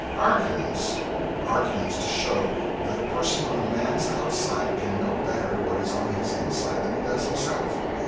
Arguments! Arguments to show that a person on a man's outside can know better what is on his inside than he does himself!